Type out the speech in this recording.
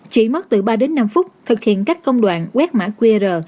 chỉ mất từ ba đến năm phút thực hiện các công đoạn quét mã qr